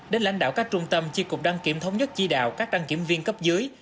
đến lãnh đạo các trung tâm chi cục đăng kiểm thống nhất chi đạo các đăng kiểm viên cấp dưới